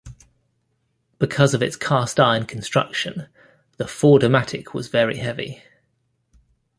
Because of its cast iron construction, the Ford-O-Matic was very heavy.